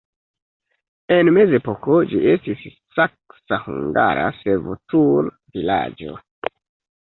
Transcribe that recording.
En mezepoko ĝi estis saksa-hungara servutulvilaĝo.